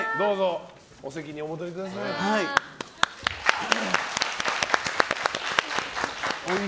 お席にお戻りください。